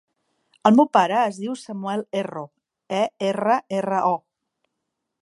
El meu pare es diu Samuel Erro: e, erra, erra, o.